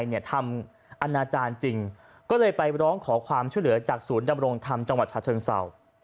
ทำอนาจารย์จริงก็เลยไปร้องขอความช่วยเหลือจากศูนย์ดำรงธรรมจังหวัดชาเชิงเศร้า